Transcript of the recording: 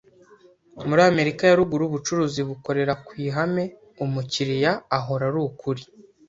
Muri Amerika ya Ruguru, ubucuruzi bukorera ku ihame "umukiriya ahora ari ukuri".